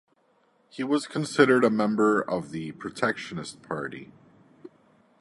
He was considered a member of the Protectionist Party.